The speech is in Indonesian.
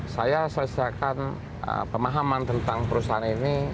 saya selesaikan pemahaman tentang perusahaan ini